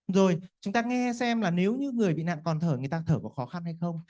rồi chúng ta nghe xem là nếu như người bị nạn còn thở người ta thở có khó khăn hay không